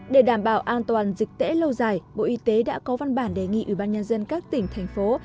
để đảm bảo an toàn dịch tễ lâu dài bộ y tế đã có văn bản đề nghị ủy ban nhân dân các tỉnh thành phố